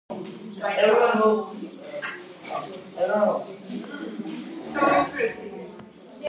ადმინისტრაციული ცენტრია ქალაქი კიუსტენდილი.